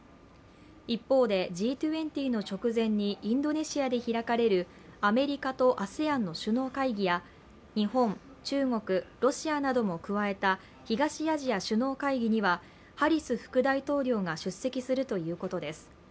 一方で、Ｇ２０の直前にインドネシアで開かれるアメリカとＡＳＥＡＮの首脳会議や日本、中国、ロシアなども加えた東アジア首脳会議にはハリス副大統領が出席するということです。